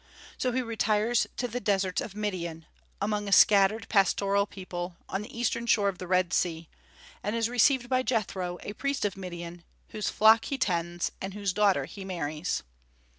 So he retires to the deserts of Midian, among a scattered pastoral people, on the eastern shore of the Red Sea, and is received by Jethro, a priest of Midian, whose flocks he tends, and whose daughter he marries.